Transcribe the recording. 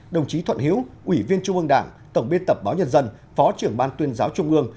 đồng chí thuận hiếu ủy viên trung ương đảng tổng biên tập báo nhân dân phó trưởng ban tuyên giáo trung ương